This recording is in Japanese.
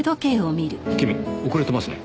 君遅れてますね。